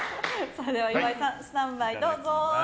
では、岩井さんスタンバイをどうぞ。